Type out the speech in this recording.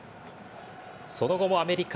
その後もアメリカ。